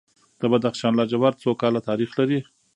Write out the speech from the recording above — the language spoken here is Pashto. د بدخشان لاجورد څو کاله تاریخ لري؟